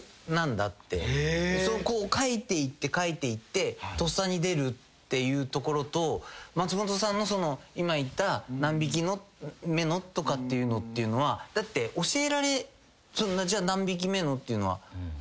書いていって書いていってとっさに出るっていうところと松本さんの今言った「何匹目の」とかっていうのっていうのはだって「何匹目」っていうのは教えられないじゃないですか。